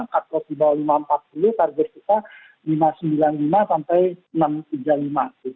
cut loss di bawah lima ratus empat puluh target kita lima ratus sembilan puluh lima sampai enam ratus tiga puluh lima